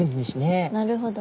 なるほど。